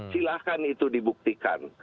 silahkan itu dibuktikan